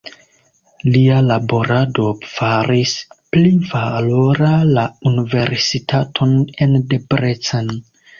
Lia laborado faris pli valora la universitaton en Debrecen.